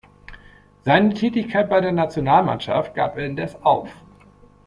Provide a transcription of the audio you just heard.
Seine Tätigkeit bei der Nationalmannschaft gab er indes auf.